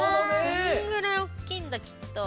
こんぐらいおっきいんだきっと。